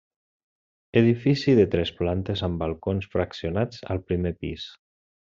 Edifici de tres plantes amb balcons fraccionats al primer pis.